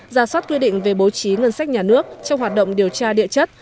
ra soát quy định về bố trí ngân sách nhà nước trong hoạt động điều tra địa chất